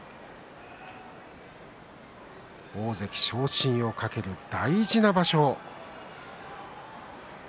大関昇進を懸ける大事な場所。